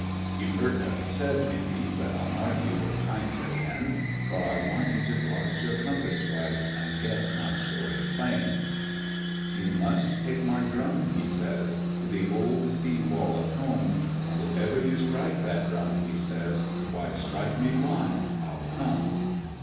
"(You've heard what he said, maybe, But I'll mark you the p'ints again; For I want you to box your compass right And get my story plain.) "'You must take my drum,' he says, 'To the old sea wall at home; And if ever you strike that drum,' he says, 'Why, strike me blind, I'll come!